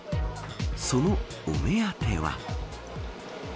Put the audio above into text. そのお目当ては。